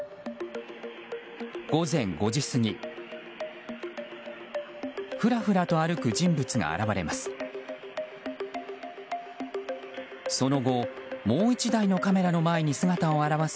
午前５時過ぎふらふらと歩く人物が現れます。